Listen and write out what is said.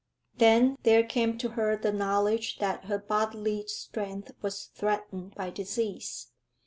Then there came to her the knowledge that her bodily strength was threatened by disease.